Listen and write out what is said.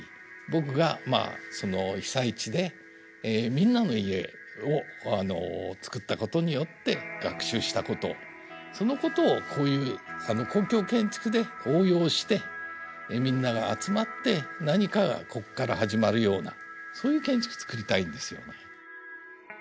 僕がまあその被災地でみんなの家を作ったことによって学習したことそのことをこういう公共建築で応用してみんなが集まって何かがここから始まるようなそういう建築作りたいんですよね。